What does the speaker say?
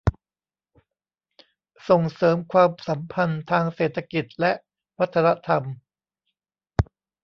ส่งเสริมความสัมพันธ์ทางเศรษฐกิจและวัฒนธรรม